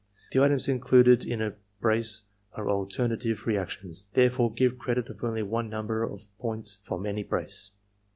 The items included in a brace are alternative reactions, therefore give credit of only one number of points from any brace.